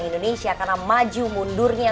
indonesia karena maju mundurnya